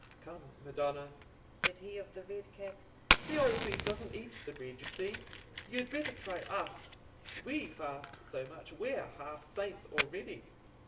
"Come, madonna," said he of the red cap, "the old thief doesn't eat the bread, you see: you'd better try us. We fast so much, we're half saints already."